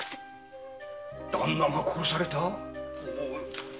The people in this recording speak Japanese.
旦那が殺された？